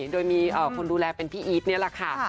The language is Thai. โดยมีคนดูแลเป็นพี่อีทนี่แหละค่ะ